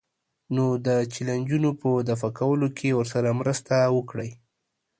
نو د چیلنجونو په دفع کولو کې ورسره مرسته وکړئ.